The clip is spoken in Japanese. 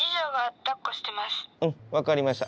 うん分かりました。